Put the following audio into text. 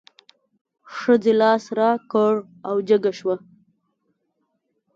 ښځې لاس را کړ او جګه شوه.